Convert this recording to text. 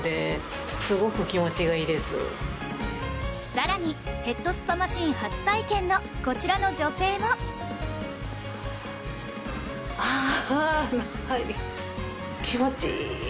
さらにヘッドスパマシン初体験のこちらの女性もあぁ。